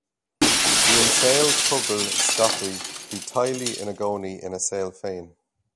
Bhí an saol pobail scaipthe, bhí teaghlaigh ina gcónaí ina saol féin.